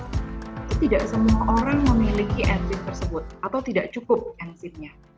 itu tidak semua orang memiliki enzit tersebut atau tidak cukup enzitnya